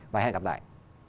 và hẹn gặp lại